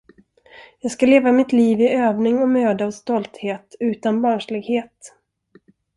Jag skall leva mitt liv i övning och möda och stolthet, utan barnslighet.